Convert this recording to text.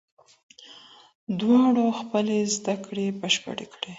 دواړو خپلې زده کړې بشپړې کړې.